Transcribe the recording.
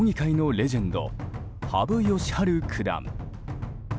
レジェンド羽生善治九段。